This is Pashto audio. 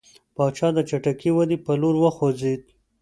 جاپان د چټکې ودې په لور وخوځېد.